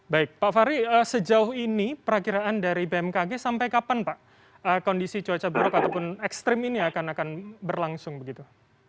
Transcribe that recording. baik pak fahri sejauh ini perakiraan dari bmkg sampai kapan pak kondisi cuaca buruk ataupun ekstrim ini akan berlangsung begitu